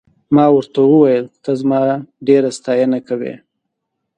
ما ورته وویل ته زما ډېره ستاینه کوې.